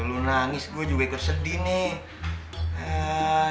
lu nangis gue juga ikut sedih nih